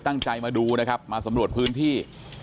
มาดูนะครับมาสำรวจพื้นที่